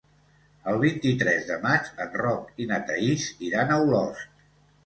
El vint-i-tres de maig en Roc i na Thaís iran a Olost.